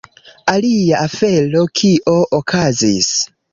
Alia afero, kio okazis: